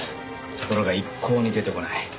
ところが一向に出てこない。